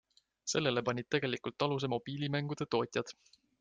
Sellele panid tegelikult aluse mobiilimängude tootjad.